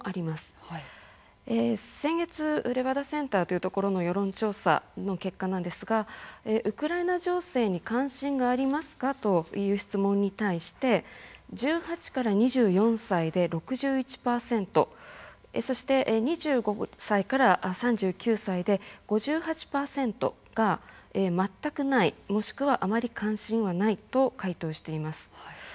え先月レバダセンターというところの世論調査の結果なんですがウクライナ情勢に関心がありますかという質問に対して１８歳から２４歳で６１％そして２５歳から３９歳で５８％が「全くない」もしくは「あまり関心はない」と回答しています。